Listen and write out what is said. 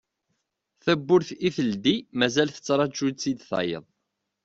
Tawwurt i teldi mazal tettraju-tt-id tayeḍ.